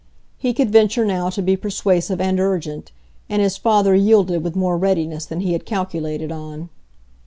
He could venture now to be persuasive and urgent, and his father yielded with more readiness than he had calculated on.